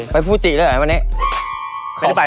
ไปภูจิก็เลยหรอวันนี้